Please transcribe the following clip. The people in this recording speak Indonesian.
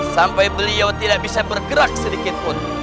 sampai beliau tidak bisa bergerak sedikit pun